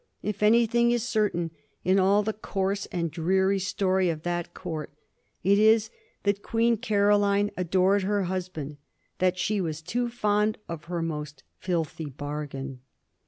, If anything is certain in all the coarse and dreary story of that Court, it is that Queen Caroline adored her husband —that she was too fond of her most filthy bargain.